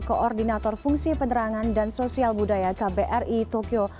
koordinator fungsi penerangan dan sosial budaya kbri tokyo